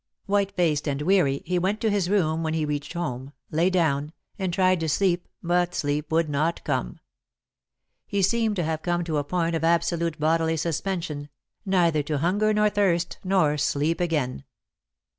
[Sidenote: A Silent Function] White faced and weary, he went to his room when he reached home, lay down, and tried to sleep, but sleep would not come. He seemed to have come to a point of absolute bodily suspension, neither to hunger nor thirst nor sleep again.